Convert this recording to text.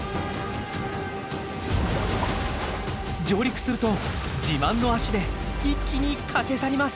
上陸すると自慢の足で一気に駆け去ります！